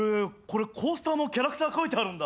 これコースターもキャラクター描いてあるんだ。